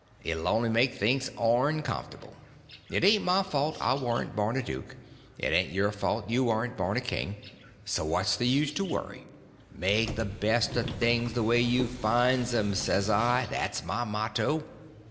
It 'll only make things oncomfortable. It ain't my fault I warn't born a duke, it ain't your fault you warn't born a king—so what's the use to worry? Make the best o' things the way you find 'em, says I—that's my motto.